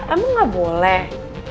emang gak boleh